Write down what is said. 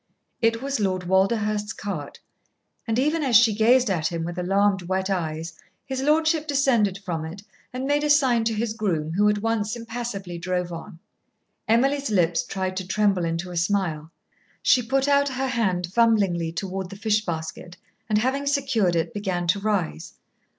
It was Lord Walderhurst's cart, and even as she gazed at him with alarmed wet eyes, his lordship descended from it and made a sign to his groom, who at once impassively drove on. Emily's lips tried to tremble into a smile; she put out her hand fumblingly toward the fish basket, and having secured it, began to rise.